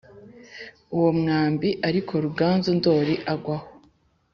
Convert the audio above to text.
uwo mwambi, ariko ruganzu ndori agwa aho.